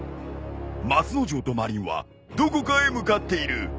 松之丞とマリンはどこかへ向かっている。